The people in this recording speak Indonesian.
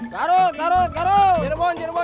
kanepu kanepu kanepu